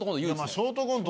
ショートコント